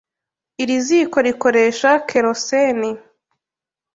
Iri ziko rikoresha kerosene.